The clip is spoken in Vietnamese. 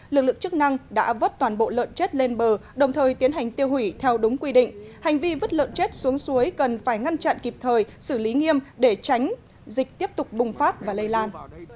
lực lượng chức năng đã vứt toàn bộ lợn chết lên bờ đồng thời tiến hành tiêu hủy theo đúng quy định hành vi vứt lợn chết xuống suối cần phải ngăn chặn kịp thời xử lý nghiêm để tránh dịch tiếp tục bùng phát và lây lan